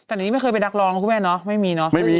แต่นี่ไม่เคยเป็นนักร้องนะคุณแม่เนาะไม่มีเนาะ